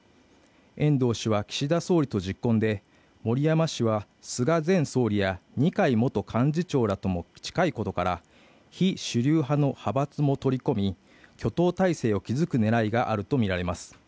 遠藤氏は岸田総理とじっこんで、森山氏は菅前総理や二階元幹事長らとも近いことから、非主流派の派閥も取り込み、挙党体制を築く狙いがあるとみられます。